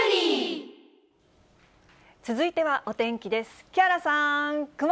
続いてはお天気です。